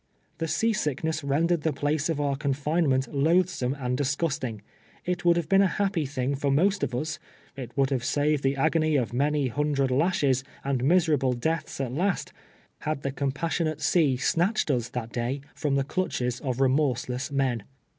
The sea sickness rendered the place of our coiitinement loathsome and disgusting. It would liave been a happy thing for most of iis — it would have saved the agony of many hundred lashes, and miserable deaths at last — had the compassionate sea snatched iis that day from the clutches of remorseless men.